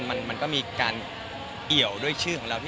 มันก็มีการเอี่ยวด้วยชื่อของเรา